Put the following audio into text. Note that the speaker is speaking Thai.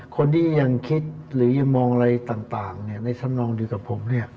คนที่ยังคิดหรือยังมองอะไรต่างในธรรมนองเดียวกับผม